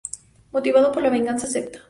Motivado por la venganza, acepta.